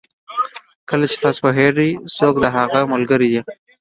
کله چې تاسو پوهېږئ څوک د هغه ملګري دي.